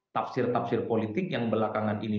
tafsir tafsir politik yang belakangan ini